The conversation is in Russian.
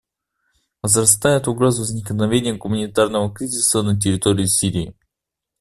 Возрастает угроза возникновения гуманитарного кризиса на территории Сирии.